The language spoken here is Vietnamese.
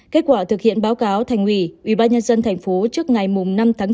kết quả thực hiện báo cáo thành ủy ubnd tp trước ngày năm tháng chín